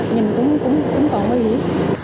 nhìn cũng còn mới hiểu